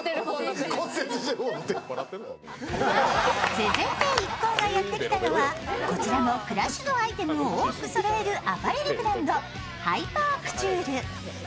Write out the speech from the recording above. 続いて一行がやってきたのは、こちらのクラッシュドアイテムを多くそろるアパレルブランド、ＨＹＰＥＲＣＯＵＴＵＲＥ。